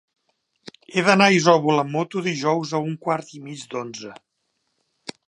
He d'anar a Isòvol amb moto dijous a un quart i mig d'onze.